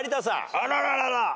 あらららら！